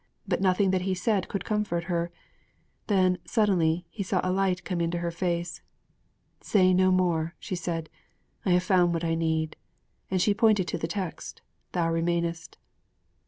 But nothing that he said could comfort her. Then, suddenly, he saw a light come into her face. 'Say no more,' she said, 'I have found what I need!' and she pointed to the text: '_Thou remainest!